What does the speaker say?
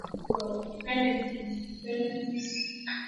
Dalili muhimu ya ugonjwa wa miguu na midomo ni wanyama kuchechemea